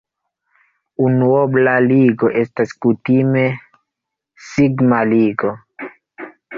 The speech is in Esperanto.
Unuobla ligo estas kutime sigma-ligo.